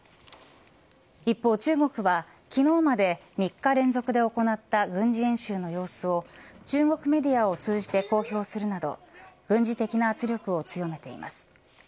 一方、中国は昨日まで３日連続で行った軍事演習の様子を中国メディアを通じて公表するなど軍事的な圧力を強めています。